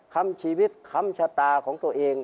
คำชีวิตค้ำชะตาของตัวเอง